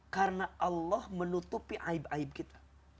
karena allah menutupi aib aib kita